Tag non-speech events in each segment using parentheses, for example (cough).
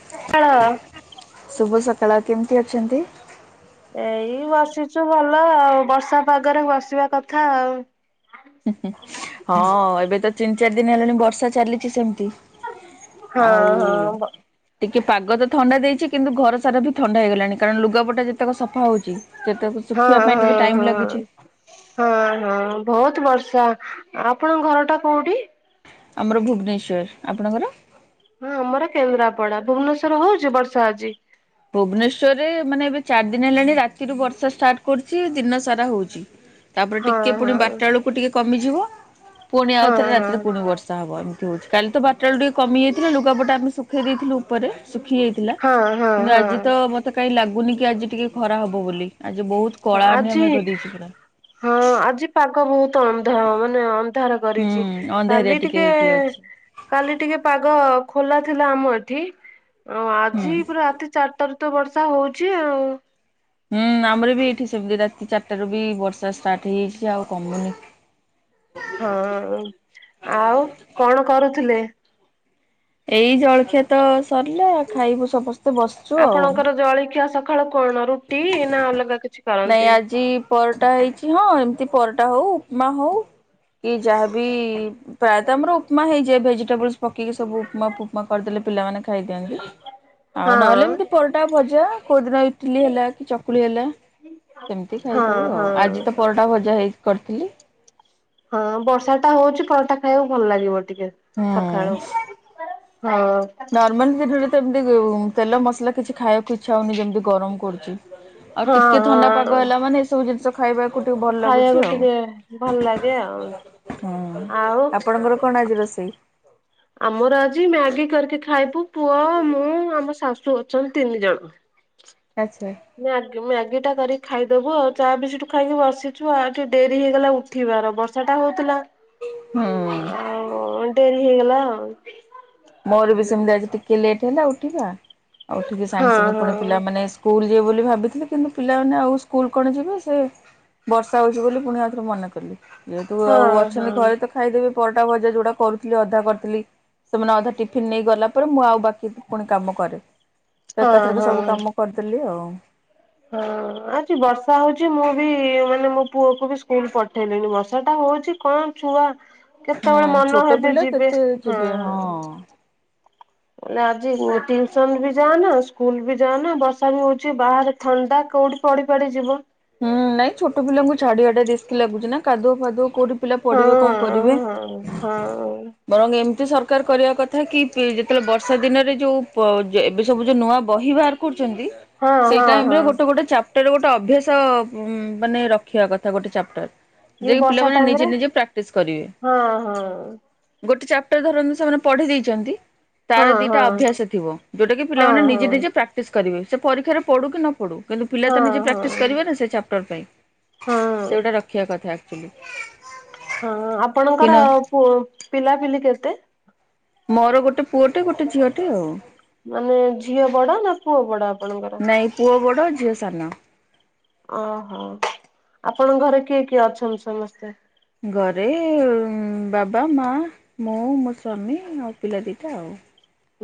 (unintelligible) ଶୁଭ ସକାଳ କେମିତି ଅଛନ୍ତି ଏଇ ବସିଛୁ ଭଲ ଆଉ ବର୍ଷା ପାଗରେ ବସିବା କଥା ଆଉ। ହୁଁ ହଁ ଏବେ ତ ତିନି ଚାରି ଦିନ ହେଲାଣି ବର୍ଷା ଚାଲିଛି ସେମତି। ହଁ ଆଉ ହଁ ବ ଟିକେ ପାଗ ତ ଥଣ୍ଡା ଦେଇଛି କିନ୍ତୁ ଘର ସାରା ବି ଥଣ୍ଡା ହେଇଗଲାଣି କାରଣ ଲୁଗାପଟା ଯେତେକ ସଫା ହଉଛି? ସେତେକୁ ହଁ ଶୁଖିବା ପାଇଁ ହଁ ଟିକେ ଟାଇମ୍ ହଁ। ଲାଗୁଛି। ହଁ ହଁ ବହୁତ ବର୍ଷା ଆପଣଙ୍କ ଘର ଟା କୋଉଠି? ଆମର ଭୁବନେଶ୍ୱର ଆପଣଙ୍କର ହଁ ଆମର କେନ୍ଦ୍ରାପଡା ଭୁବନେଶ୍ଵର ହଉଛି ବର୍ଷା ଆଜି ଭୁବନେଶ୍ଵର ରେ ମାନେ ଏବେ ଚାରି ଦିନ ହେଲାଣି ରାତିରୁ ବର୍ଷା ଷ୍ଟାର୍ଟ କରୁଛି ଦିନ ସାରା ହଉଛି। ତାପରେ ହଁ ଟିକେ ପୁଣି ହଁ ବାରଟା ବେଳକୁ ଟିକେ କମିଯିବ ପୁଣି ହଁ ଆଉଥରେ ହଁ ରାତିରେ ପୁଣି ବର୍ଷା (unintelligible) କାଲି ତ ବାରଟା ବେଳକୁ ଟିକେ କମିଯାଇଥିଲା ଲୁଗାପଟା ଆମେ ଶୁଖେଇ ଦେଇେଇଥିଲୁ ଉପରେ ଶୁଖିଯାଇଥିଲା। ହଁ। ହଁ କିନ୍ତୁ ଆଜି ତ ହଁ। ମତେ କାହିଁ ଲାଗୁନି କି ଆଜି ଟିକେ ଖରା ହବ ବୋଲି ଆଜି ବହୁତ କଳା (inaudible) ଆଜି ମେଘ ଦେଇଛି ପୁରା। ହଁ ଆଜି ପାଗ ବହୁତ ଅନ୍ଧ ମାନେ ଅନ୍ଧାର ହୁଁ କରିଛି ଅନ୍ଧାରିଆ କାଲି ଟିକେ ହେଇକି ଅଛି କାଲି ଟିକେ ପାଗ ଖୋଲା ଥିଲା ଆମ ଏଠି, ଆଉ ହୁଁ। ଆଜି ପୁରା ରାତି ଚାରି (inaudible) ବର୍ଷା ହଉଛି ଆଉ। ହୁଁ ଆମର ବି ଏଇଠି ସେମିତି ରାତି ଚାରିଟାରୁ ବି ବର୍ଷା ଷ୍ଟାର୍ଟ ହେଇଯାଇଛି ଆଉ କମୁନି। ହଁ ଆଉ କଣ କରୁଥିଲେ? ଏଇ ଜଳଖିଆ ତ ସରିଲା ଖାଇବୁ ସମସ୍ତେ ବସିଛୁ ଆଉ। ଆପଣଙ୍କର ଜଳଖିଆ ସ ଖାଳ କଣ ରୁଟି ନା ଅଲଗା କିଛି? ନାଇଁ କରନ୍ତି? ଆଜି ପରଟା ହେଇଛି ହଁ ଏମିତି ପରଟା ହଉ ଉପମା ହଉ କି ଯାହାବି ପ୍ରାୟତଃ ଆମର ଉପମା ହେଇଯାଏ ଭେଜିଟେବୁଲସ ପକେଇକି ସବୁ ଉପମା ଫୁପମା କରିଦେଲେ ପିଲାମାନେ ଖାଇଦିଅନ୍ତି। ଆଉ ହଁ ନହେଲେ ଏମିତି ପରଟା ଭଜା କୋଉଦିନ ଇଟିଲି ହେଲା କି ଚକୁଳି ହେଲା। ସେମିତି ହଁ ଖାଇଦଉ ଆଉ ହଁ। ଆଜି ତ ପରଟା ଭଜା ହେଇ କରିଥିଲି। ହଁ ବର୍ଷା ଟା ହଉଛି ପରଟା ଖାଇବାକୁ ଭଲ ଲାଗିବ ଟିକେ ହୁଁ ସକାଳୁ। ହଁ। ନର୍ମାଲି ଦିନରେ ତ ଏମିତି ତେଲ ମସଲା କିଛି ଖାଇବାକୁ ଇଚ୍ଛା ହଉନି ଯେମିତି ଗରମ କରୁଛି। ଆଉ ହଁ ଟିକେ ଥଣ୍ଡା ହଁ। ପାଗ ହେଲା ମାନେ ଏ ସବୁ ଜିନିଷ ଖାଇବାକୁ ଟିକେ ଭଲ ଖାଇବାକୁ ଲାଗୁଛି ଆଉ। ଟିକେ ଭଲ ଲାଗେ ଆଉ ହୁଁ ଆଉ ଆପଣଙ୍କର କଣ ଆଜି ରୋଷେଇ? ଆମର ଆଜି ମ୍ୟାଗି କରିକି ଖାଇବୁ ପୁଅ ମୁଁ ଆମ ଶାଶୁ ଅଛନ୍ତି ତିନି ଜଣ। ଆଚ୍ଛା। ମ୍ୟାଗି ମ୍ୟାଗି ଟା କରିକି ଖାଇଦବୁ ଆଉ। ଚାହା (inaudible) ଖାଇକି ବସିଛୁ ଆଉ ଠି ଡେରି ହେଇଗଲା ଉଠିବାର ବର୍ଷା ଟା ହଉଥିଲା। ହୁଁ। ଆଉ ଡେରି ହେଇଗଲା ଆଉ। ମୋର ବି ସେମିତି ଆଜି ଟିକେ ଲେଟ୍ ହେଲା ଉଠିବା, ଆଉ ଉଠିକି ହଁ ସାଙ୍ଗେ ସାଙ୍ଗେ ପୁଣି ପିଲାମାନେ ସ୍କୁଲ ଯିବେ ବୋଲି ଭାବିଥିଲି କିନ୍ତୁ ପିଲାମାନେ ଆଉ ସ୍କୁଲ କଣ ଯିବେ ସେ ବର୍ଷା ହଉଛି ବୋଲି ପୁଣି ଆଉଥରେ ମନା କଲି, ଯେହେତୁ ହଁ ଆଉ ହଁ ଅଛନ୍ତି ଘରେ ତ ଖାଇଦେବି ପରଟା ଭଜା ଯଉଟା କରୁଥିଲି ଅଧା କରିଥିଲି। ସେମାନେ ଅଧା ଟିଫିନ ନେଇ ଗଲା ପରେ ମୁଁ ଆଉ ବାକି ପୁଣି କାମ କରେ ତ ହଁ ହଁ ଏକାଥରକେ ସବୁ ହଁ। କାମ କରିଦ ହେଲି ଆଉ। ହଁ ଆଜି ବର୍ଷା ହଉଛି ମୁଁ ବି ମାନେ ମୋ ପୁଅକୁ ବି ସ୍କୁଲ ପଠେଇଲିନି ବର୍ଷା ଟା ହଉଛି। କଣ ଛୁଆ କେତେବେଳେ ହୁଁ ମନ ଛୋଟ ହେବେ ପିଲା ଯିବେ କେତେ ହଁ। ଯିବେ ମାନେ ଆଜି ଟିଉସନ ବି ଯାଆନା ସ୍କୁଲ ବି ଯାନ ବର୍ଷା ବି ହଉଛି ବାହାରେ ଥଣ୍ଡା କୋଉଠି ପଡି ପାଡି ଯିବ। ହୁଁ ନାଇଁ ଛୋଟ ପିଲାଙ୍କୁ ଛାଡିଆ ଟା ରିଷ୍କ୍ ଲାଗୁଛି ନା କାଦୁଅ ଫାଦୁଅ କୋଉଠି ପିଲା ହଁ ପଢିବେ କଣ ହଁ କରିବେ ହଁ ବରଂ ଏମିତି ସରକାର କରିବା କଥା କଥା କି ଯେତେବେଳେ ବର୍ଷା ଦିନରେ ଯୋଉ ଏବେ ସବୁ ଯୋଉ ନୂଆ ବହି ବାହାର କରୁଛନ୍ତି ହଁ ସେଇ ହଁ ହଁ ଟାଇମରେ ଗୋଟେ ଗୋଟେ ଚାପ୍ଟର ଗୋଟେ ଅଭ୍ୟାସ ମାନେ ରଖିବା କଥା ଗୋଟେ ଚାପ୍ଟର। ଏ ଯେଇ ବର୍ଷା ପିଲାମାନେ ଟାଇମ ନିଜେ ରେ ନିଜେ ପ୍ରାକ୍ଟିସ କରିବେ। ହଁ ହଁ ଗୋଟେ ଚାପ୍ଟର ଧରନ୍ତୁ ସେମାନେ ପଢି ଦେଇଛନ୍ତି। ତାର ହଁ ହଁ ଦିଟା ଅଭ୍ୟାସ ଥିବ ଯୋଉଟା କି ହଁ ପିଲାମାନେ ହଁ ନିଜେ ନିଜେ ପ୍ରାକ୍ଟିସ କରିବେ ସେ ପରୀକ୍ଷାରେ ପଡୁ କି ନ ପଡୁ। କିନ୍ତୁ ପିଲା ତ ହଁ ନିଜେ ହଁ ପ୍ରାକ୍ଟିସ୍ କରିବ ନା ସେ ଚାପ୍ଟର ପାଇଁ ହଁ ସେଗୁଡା ରଖିବା କଥା ଆକ୍ଚୁଆଲି। ହଁ କି ଆପଣଙ୍କର ନା ପୁଅ ପିଲାପିଲି କେତେ? ମୋର ଗୋଟେ ପୁଅଟେ ଗୋଟେ ଝିଅଟେ ଆଉ ମାନେ ଝିଅ ବଡ ନା ପୁଅ ବଡ ଆପଣଙ୍କର? ନାଇଁ ପୁଅ ବଡ଼ ଝିଅ ସାନ? ଓହୋ ଆପଣଙ୍କ ଘରେ କିଏ କିଏ ଅଛନ୍ତି ସମସ୍ତେ? ଘରେ ବାବା ମା ମୁଁ ମୋ ସ୍ୱାମୀ ଆଉ ପିଲା ଦିଟା ଆଉ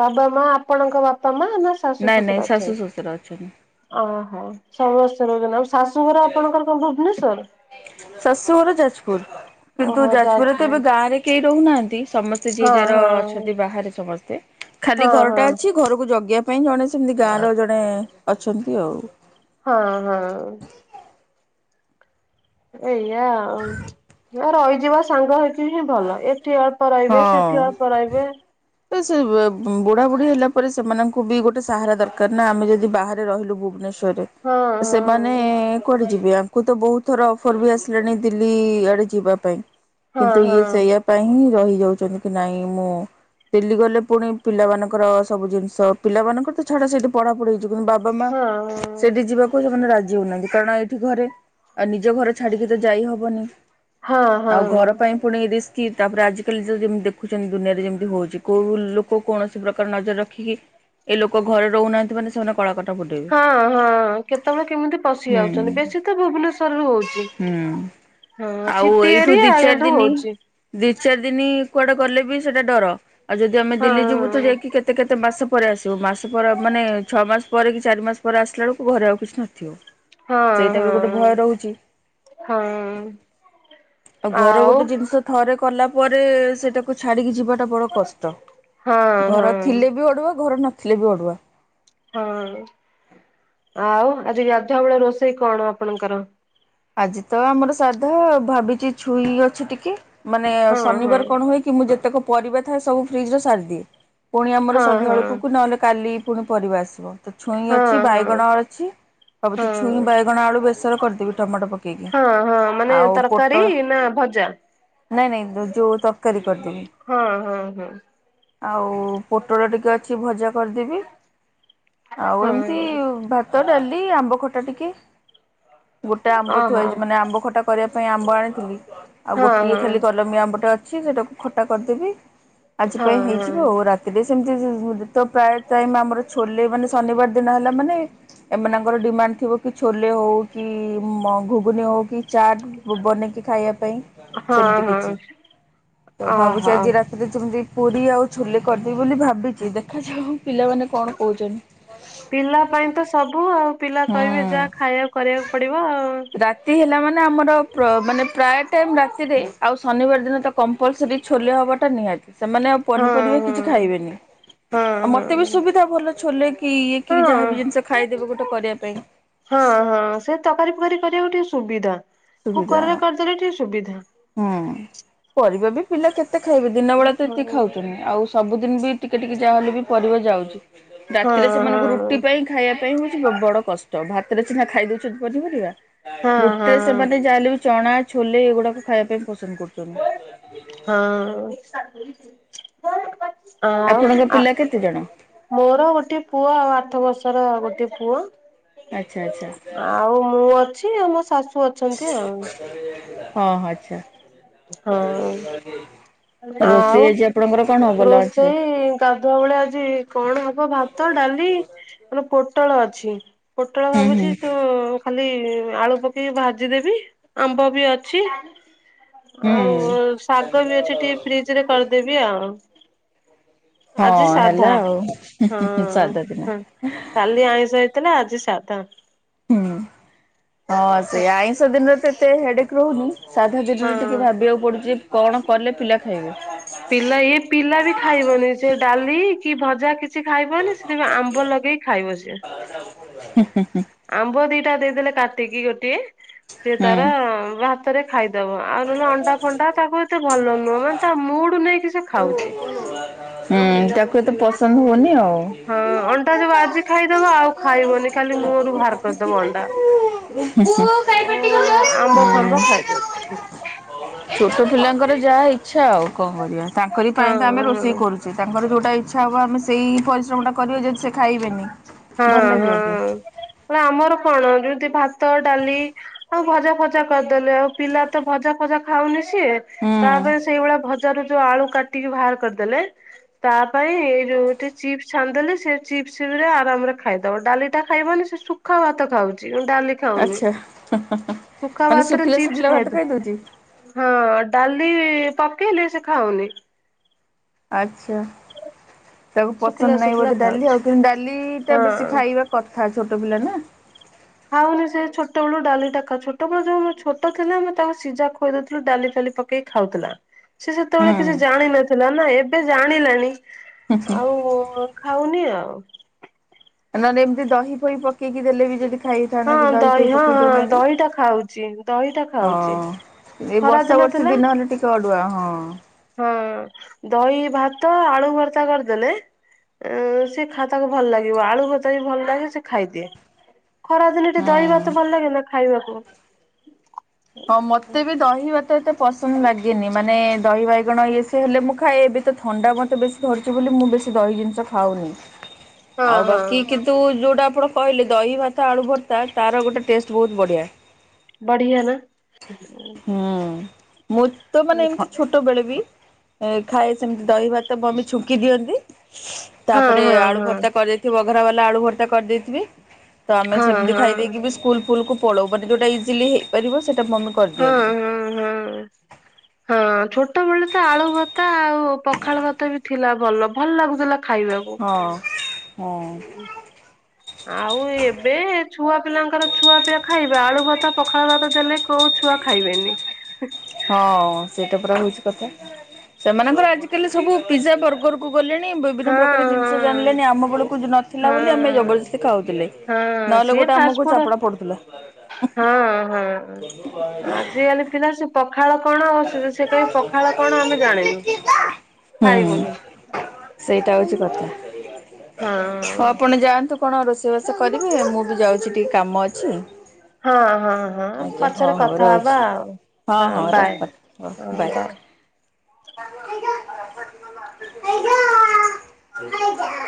ବାବା ମା ଆପଣଙ୍କ ବାପା ମା ନା? ଶାଶୁ ନାଇଁ ନାଇଁ ଶ୍ୱଶୁର ଅଛନ୍ତି? ଶାଶୁ ଶଶୁର ଅଛନ୍ତି। ଓହୋ ସମସ୍ତେ ରହୁଛନା ଆଉ ଶାଶୁଘର ଆପଣଙ୍କର କଣ ଭୁବନେଶ୍ୱରରେ। ଶାଶୁ ଘର ଯାଜପୁର କିନ୍ତୁ ଓହୋ ଯାଜପୁରରେ ତ ଏବେ ଯାଜପୁର ଗାଁରେ କେହି ରହୁନାହାନ୍ତି ସମସ୍ତେ। ସେ ଯିଏ ହଁ ଯାହାର ହଁ ଅଛନ୍ତି ବାହାରେ ସମସ୍ତେ ଖାଲି ହଁ ଘରଟା ହଁ ଅଛି ଘରକୁ ଜଗିବା ପାଇଁ ଜଣେ ସେମିତି ଗାଁର ଜଣେ ଅଛନ୍ତି ଆଉ ହଁ ହଁ। ଏଇଆ ରହିଯିବା ସାଙ୍ଗ ହେଇକି। ସେଠି ହିଁ ଭଲ ଏଠି ଅଳ୍ପ ରହିବେ ହଁ। ସେଠି ଅଳ୍ପ ରହିବେ। ସେ ବୁଢା ବୁଢୀ ହେଲା ପରେ ସେମାନଙ୍କୁ ବି ଗୋଟେ ସାହାରା ଦରକାର ନା ଆମେ ଯଦି ବାହାରେ ରହିଲୁ। ହଁ ଭୁବନେଶ୍ଵରରେ ସେ ମାନେ ହଁ କୁଆଡ଼େ ଯିବେ ଆଙ୍କୁ ତ ବୋହୁତ ଥର ଅଫର୍ ବି ଆସିଲାଣି ଦିଲ୍ଲୀ ଆଡ଼େ ଯିବା ପାଇଁ। ହଁ ତ ହଁ ଇଏ ସେଇଆ ପାଇଁ ହିଁ ରହିଯାଉଚନ୍ତି କି ନାଇଁ ମୁଁ ଦିଲ୍ଲୀ ଗଲେ ପୁଣି ପିଲାମାନଙ୍କର ସବୁ ଜିନିଷ ପିଲାମାନଙ୍କର ତ ଛାଡ ସେଠି ପଢା ପଢିଛି କିନ୍ତୁ ବା ବା ମା ହଁ ସେଠି ଯିବାକୁ ସେମାନେ ରାଜି ହଉନାହାନ୍ତି କାରଣ ଏଠି ଘରେ ନିଜ ଘରେ ଛାଡିକି ତ ଯାଇ ହେବନି। ହଁ ହଁ। ପୁଣି ରିସ୍କ ତାପରେ ଆଜିକାଲି ଯୋଉ ଯେମିତି ଦେଖୁଛନ୍ତି ଦୁନିଆରେ ଯେମିତି ହଉଛି କୋଉ ଲୋକ କୌଣସି ପ୍ରକାର ନଜର ରଖି ଖି ଏ ଲୋକ ଘରେ ରହୁନାହାନ୍ତି ମାନେ ସେମାନ ହଁ ହଁ କେତେବେଳେ କେମିତି ପଶି ଆଉଚନ୍ତି ହୁଁ ବେଶୀ ତ ଭୁବନେଶ୍ଵରରୁୁ ହଉଛି। ହୁଁ ହଁ ଆଉ ସିଟି ଏଇଠୁ ଦି ଏରିଆ ଚାରି କିନ୍ତୁ ଦିନି ହଉଛି। ଦି ଚାରି ଦିନି କୁଆଡେ ଗଲେ ବି ସେଟା ଡର ଆଉ ଯଦି ଆମେ ହଁ ଦିଲ୍ଲୀ ଯିବୁ ତ ଯାଇକି କେ ସେ କେତେ ମାସ ପରେ ଆସିବ ମାସ ପରେ ମାନେ ଛଅ ମାସ ପରେ କି ଚାରି ମାସ ପରେ ଆସିଲା ବେଳକୁ ଘରେ ଆଉ କିଛି ନଥିବ। ହଁ ସେଇଟା ହଁ ବି ଗୋଟେ ଭୟ ରହୁଛି। ହଁ। ଆଉ ଘରେ ଗୋଟେ ଜିନିଷ ଥରେ କଲା ପରେ ସେଟାକୁ ଛାଡିକି ଯିବାଟା ବଡ କଷ୍ଟ। ହଁ ଘର ହଁ ଥିଲେ ବି ଅଡୁଆ ଘର ନଥିଲେ ବି ଅଡୁଆ। ହଁ ଆଉ ଆଜି ଗାଧୁଆ ବେଳେ ରୋଷେଇ କଣ ଆପଣଙ୍କର? ଆଜି ତ ଆମର ସାଧା ଭାବିଛି ଛୁଇଁ ଅଛି ଟିକେ ମାନେ ହଁ ହଁ ଶନିବାର କଣ ହୁଏ କି ମୁଁ ଯେତେକ ପରିବା ଥାଏ ସବୁ ଫ୍ରିଜରୁ ସାରିଦିଏ। ପୁଣି ଆମର ହଁ ହଁ ସନ୍ଧ୍ୟାବେଳକୁ ନଲେ କାଲି ପୁଣି ପରିବା ଆସିବ। ତ ଛୁଇଁ ଅଛି ହଁ ହଁ। ବାଇଗଣ ଅଛି ଭାବୁଛି ଛୁଇଁ ହଁ ବାଇଗଣ ଆଳୁ ବେସର କରିଦେବି। ଟମାଟୋ ପକେଇକି ହଁ ହଁ ମାନେ ଆଉ ତରକାରୀ ପୋଟଳ ନା ଭଜା। ନାଇଁ ନାଇଁ ଯୋଉ ତରକାରି କରିଦେବି। ହଁ ହଁ ହଁ ଆଉ ପୋଟଳ ଟିକେ ଅଛି ଭଜା କରିଦେବି ଆଉ ଏମିତି ହଁ ଭା ତ ଡାଲି ଆମ୍ବ ଖଟା ଟିକେ। ଗୋଟେ ଆମ୍ବ ଓହୋ ଥୁଆହେଇଛି ମାନେ ଆମ୍ବ ଖଟା କରିବା ପାଇଁ ଆମ୍ବ ଆଣିଥିଲି। ଆଉ ହଁ ଗୋଟିଏ ହଁ। ଖାଲି କଲମି ଆମ୍ବଟା ଅଛି ସେଇଟାକୁ ଖଟା କରିଦେବି ଆଜି ପାଇଁ ହଁ ହଁ ହେଇଯିବ ଆଉ ରା ସେମିତି ତ ପ୍ରାୟ ଟାଇମ ଆମର ଛୋଲେ ମାନେ ଶନିବାର ଦିନ ହେଲା ମାନେ ଏମାନଙ୍କର ଡିମାଣ୍ଡ ଥିବ କି ଛୋଲେ ହଉ କି ମ ଘୁଗୁନି ହଉ କି ଚାଟ୍ ବନେଇଚି ଖାଇବା ପାଇଁ। ହଁ ସେମିତି ହଁ କିଛି ତ ଭାବୁଚି ଓହୋ। ଆଜି ରା ସେମିତି ପୁରୀ ଆଉ ଛୋଲେ କରିଦେବି ବୋଲି ଭାବିଚି ଦେଖାଯାଉ ପିଲାମାନେ କଣ କହୁଛନ୍ତି। ପିଲା ପାଇଁ ତ ସବୁ ଆଉ ପିଲା କହିବେ ହୁଁ। ଯାହା ଖାଇବାକୁ କରିବାକୁ ପଡିବ ଆଉ। ଚି ହେଲା ମାନେ ଆମର ମାନେ ପ୍ରାୟ ଟାଇମ୍ ରାତିରେ ଆଉ ଶନିବାର ଦିନ ତ କ ମ୍ପଲସରି ଛୋଲେ ହବାଟା ନିହାତି ସେମାନେ ଆ ହଁ ପନିପରିବା କିଛି ଖାଇବେନି ହଁ ଆ ହଁ ମତେ ବି ସୁବିଧା ଭଲ ଛୋଲେ କି ଇଏ କି ହଁ ହଁ। ଯାହାବି ଜିନିଷ ଖାଇଦେବ ଗୋଟେ କରିବା ପାଇଁ ହଁ ହଁ ସେ ତରକାରୀ ଫକାରୀ କରିବାକୁ ଟିକେ ସୁବିଧା। ସୁବିଧା କୁକରରେ କରିଦେଲେ ଟିକେ ସୁବିଧା। ହୁଁ। ପରିବା ବି ପିଲା କେତେ ଖାଇବେ ଦିନ ହଁ ବେଳା ତ ଏତିକି ଖାଉଛନ୍ତିି ଆଉ ସବୁଦିନି ବି ଟିକେ ଟିକେ ଯାହାହେଲେ ବି ପରିବା ଯାଉଛି, ହଁ ରାତିରେ ସେମାନଙ୍କୁ ରୁଟି ପାଇଁ ଖାଇବା ପାଇଁ ହଉଚି ବଡ କଷ୍ଟ ଭାତରେ ସିନା ଖାଇ ଦଉଛନ୍ତି ପନିପରିବା ହଁ ରୁଟେସ୍ ହଁ। ଯାହାହେଲେ ବି ଚଣା ଛୋଲେ ଏଗୁଡାକୁ ଖାଇବା ପାଇଁ ପସନ୍ଦ କରୁଛନ୍ତି। ହଁ ଆଉ ଆପଣଙ୍କ ଆ ପିଲା କେତେ ଜଣ? ମୋର ଗୋଟେ ପୁଅ ଆଉ ଆଠ ବର୍ଷର ଗୋଟେ ପୁଅ ଆଚ୍ଛା ଆଚ୍ଛା। ଛି ଆଉ ମୋ ଶାଶୁ ଅଛନ୍ତି ଆଉ। ହଁ ଆଚ୍ଛା। ହଁ ରୋଷେଇ ଆଉ ଆଜି ଆପଣଙ୍କର କଣ ହବ? ଲଞ୍ଚ ରେ? ରୋଷେଇ ଗାଧୁଆ ବେଳେ ଆଜି କଣ ହବ ଭାତ ଡାଲି ମାନେ ପୋଟଳ ଅଛି ପୋଟଳ ହୁଁ ଭାବୁଚି ହୁଁ ସୁଁ ଖାଲି ଆଳୁ ପକେଇକି ଭାଜିଦେବି ଆମ୍ବ ବି ଅଛି। ଆଉ ହୁଁ ଶାଗ ବି ଅଛି ଟିକେ ଫ୍ରିଜ ରେ କରିଦେବି ଆଉ। ହଁ ଆଜି ସାଧା ହେଲା ଆଉ ହୁଁ ହଁ ହୁଁ ହୁଁ ସାଧା ଦିନ। ହ। କାଲି ଆଇଁଷ ହେଇଥିଲା ଆଜି ସାଧା। ହୁଁ ହଁ ସେ ଆଇଁଷ ଦିନରେ ତ ଏତେ ହେଡେକ୍ ରହୁନି ସାଧା ଦିନରେ ଟିକେ ହଁ। ଭାବିବାକୁ ପଡୁଚି ଯେ କଣ କଲେ ପିଲା ଖାଇବେ। ପିଲା ଇଏ ପିଲା ବି ଖାଇବନି ସେ ଡାଲି କି ଭଜା କିଛି ଖାଇବନି ସେ କଣ ଆମ୍ବ ଲଗେଇକି ଖାଇବ ସିଏ। ହୁଁ ହୁଁ। ଆମ୍ବ ଦିଟା ଦେଇଦେଲେ କାଟିକି ଗୋଟିଏ ସିଏ ତାର ହୁଁ ଭା ତରେ ଖାଇଦବ ଆଉ ନହେଲେ ଅଣ୍ଡା ଫଣ୍ଡା ତାକୁ ଏତେ ଭଲ ନୁହଁ ମାନେ ତା ମୁଡୁ ନେଇକି ସେ ହୁଁ ଖାଉଚି। ହୁଁ ତାକୁ ଏତେ ପସନ୍ଦ ହଉନି ଆଉ। ହଁ ଅଣ୍ଡା ଯୁ ଆଜି ଖାଇଦବ ଆଉ ଖାଇବନି ଖାଲି ମୁହଁରୁ ବାହାର କରିଦବ ଅଣ୍ଡା। ଓ ଆମ୍ବ ହୁଁ ଫାମ୍ବ ଖାଇଦଉଚି। ହୁଁ। ଛୋଟ ପିଲାଙ୍କର ଯାହା ଇଚ୍ଛା ଆଉ କଣ କରିବା ତାଙ୍କରି ହଁ ପାଇଁ ତ ଆମେ ହଁ। ରୋଷେଇ କରୁ। ଅଛି ତାଙ୍କର ଯଉଟା ଇଚ୍ଛା ହେବ ଆମେ ସେଇ ପରିଶ୍ରମ ଟା କରିବା ଯଦି ସେ ଖାଇବେନି ହଁ ଭଲ ଲାଗିବ କି? ହଁ। ଆମର କଣ ଯୁଉତି ଭାତ ଡାଲି ଆଉ ଭଜା ଫଜା କରିଦେଲେ ଆଉ ପିଲା ତ ଭଜା ଫଜା ଖାଉନି ସିଏ ହୁଁ ତାପରେ ସେଇଭଳିଆ ଭଜା ରେ ଯଉ ଆଳୁ କାଟିକି ବାହାର କରିଦେଲେ ତା ପାଇଁ ଏଇ ଯୋଉ ଗୋଟେ ଚିପ୍ସ ଛାନ୍ଦଦେଲେ, ସେ ଚିପ୍ସ (unintelligible) ଆରାମରେ ଖାଇଦବ, ଡାଲି ଟା ଖାଇବନି ସେ ସୁଖା ଭାତ ଖାଉଛି, ଡାଲି ଖାଉନି, ଆଚ୍ଛା ସୁଖା ମାନେ ଭାତରେ ଶୁଖିଲା ଶୁଖିଲା ଚିପ୍ସ ଭାତ ଖାଇଦେ। ଖାଇଦଉଛି ହଁ ଡାଲି ପକେଇଲେ ସେ ଖାଉନି। ଆଛା, ତାକୁ ପସନ୍ଦ ଶୁଖିଲା ନାହିଁ ଶୁଖିଲା ବୋଧେ ଡାଲି ଖାଉଛି ଆଉ କିନ୍ତୁ ଡାଲି ଟା ବେଶୀ ହଁ। ଖାଇବା କଥା, ଛୋଟ ପିଲା ନା। ଖାଉନି ସେଇ ଛୋଟବେଳୁ ଡାଲି ଟାକା ଛୋଟବେଳ ଯୋଉ ମୁ ଛୋଟ ଥିଲେ, ମୁଁ ତାକୁ ସିଝା ଖୋଇଦଉଥିଲୁ ଡାଲି ଫାଲି ପ କେ ଖାଉଥିଲା। ସେ ସେତେବେଳେ କିଛି ହୁଁ। ଜାଣିନଥିଲା ନା, ଏବେ ଜାଣିଲାଣି, ଆଉ ଖାଉନି ଆଉ। ନହେଲେ ଏମିତି ଦହି ଫହି ପେଇକି ଦେଲେ ବି ଯଦି ହଁ ଖାଇଥାନ୍ତା କି ଦହି ଫହି ହଁ ପକେଇ ହଁ ଦଉନାହାନ୍ତି, ଦହିଟା ଖାଉଛି ଦହିଟା ଖାଉଛି। ହଁ। ଏ ଖରା ବର୍ଷା ବର୍ଷି ଥିଲା ଦିନ ହେଲେ ଟିକେ ଅଡୁଆ, ହଁ। ହଁ, ଦହି ଭାତ, ଆଳୁ ଭର୍ତା କରିଦେଲେ। ସି ଖା ତାକୁ ଭଲ ଲାଗିବ, ଆଳୁ ଭଜା ବି ଭଲ ଲାଗେ ସେ ଖାଇଦିଏ। ଖରାଦିନ ଟିକେ ଦହି ଭାତ ହୁଁ। ଭଲ ଲାଗେ ନା ଖାଇବାକୁ? ହଁ ମତେ ବି ଦହି ଭାତ ଏତେ ପସନ୍ଦ ଲାଗେନି, ମାନେ ଦହି ବାଇଗଣ ଇଏ ସେ ହେଲେ ମୁଁ ଖାଏ, ଏବେ ମୋତେ ଥଣ୍ଡା ମୋତେ ବେଶୀ ଧରିଛି ବୋଲି ମୁଁ ବେଶୀ ଦହି ଜିନିଷ ଖାଉନି। ହଁ ଆଉ ହଁ ବାକି କିନ୍ତୁ ଯୋଉଟା ଆପଣ କହିଲେ ଦହି ଭାତ, ଆଳୁ ଭର୍ତ୍ତା ତାର ଗୋଟେ ଟେଷ୍ଟ ବହୁତ ବଢିଆ। ବଢିଆ ନା? ହୁଁ ମୁଁ ତ ମାନେ ଏମିତି ହଁ ଛୋଟ ବେଳେ ବି ଏ ଖାଏ ସେମତି ଦହି ଭା ତ ମମି ଛୁଙ୍କି ଦିଅନ୍ତି, ହଁ ତାପରେ ଆଳୁ ହଁ। ଭର୍ତା କରେ। ଏ ବଘରା ବାଲା ଆଳୁ ଭର୍ତା କରିଦେଇଥିବି ତ ଆମେ ହଁ ସେମିତି ଖାଇ ହଁ। ଦେଇେଇକି ବି ସ୍କୁଲ ଫୁଲ୍କୁ କୁ ପଳଉ, ମାନେ ଯେଉଟା ଇଜିଲି ହେଇପାରିବ ସେଇଟା ମମି କରିଦିଅନ୍ତି। ହୁଁ ହୁଁ। ହଁ ଛୋଟବେଳେ ତ ଆଳୁ ଭତା ଆଉ ପଖାଳ ଭାତ ବି ଥିଲା ଭଲ, ଭଲ ଲାଗୁଥିଲା ଖାଇବାକୁ। ହଁ, ହୁଁ। ଆଉ ଏବେ ଛୁଆ ପିଲାଙ୍କର ଛୁଆ ପିଲା ଖାଇବା, ଆଳୁ ଭାତ ପଖାଳ ଭାତ ଦେଲେ କୋଉ ଛୁଆ ଖାଇବେନି। ହଁ ସେଇଟା ପୁରା ହଉଛି କଥା, ସେମାନଙ୍କର ଆଜିକାଲି ସବୁ ପିଜ୍ଜା ବର୍ଗର କୁ ଗଲେଣି, ବିଭିନ୍ନ ହଁ ପ୍ରକାର ହଁ ଜିନିଷ ଜାଣିଲେଣି, ଆମ ବେଳକୁ ନଥିଲା ବୋଲି ଆମେ ହଁ। ଜବରଦସ୍ତି ଖାଉଥିଲେ। ହଁ ନହେଲେ ସିଏ ଗୋଟେ ଫାଷ୍ଟ ଆମକୁ ଫୁଡ ଚାପୁଡ଼ା ପଡୁଥିଲା। ହଁ, ହଁ। ଏମିତି ଦୀନ ଆସିବ ପଖାଳ କଣ (inaudible) ସେ ସେ କହିବେ ହୁଁ। ପଖାଳ କଣ ଆମେ ଜାଣିନୁ। ଖାଇବୁନି ସେଇଟା ହଉଛି କଥା, ହଁ ହଉ ଆପଣ ଯାଆନ୍ତୁ। କଣ ରୋଷେଇବାସ କରିବେ, ମୁଁ ବି ଯାଉଛି ଟିକେ କାମ ଅଛି। ହଁ ହଁ ହଁ ଆଜ୍ଞା ହଉ ପଛରେ ହଉ କଥା ହବା ରହୁଛି ଆଉ, ହଁ ବାଏ। ବାଏ। (inaudible) (inaudible)